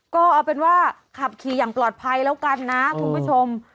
ก็เอาเป็นว่าขับขี่อย่างปลอดภัยแล้วกันนะคุณผู้ชม